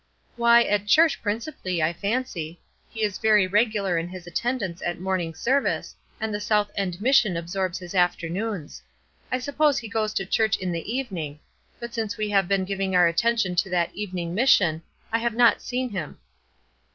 "Why, at church, principally, I fancy. He is very regular in his attendance at morning service, and the South End Mission absorbs his afternoons. I suppose he goes to church in the evening; but since we have been giving our attention to that evening mission I have not seen him."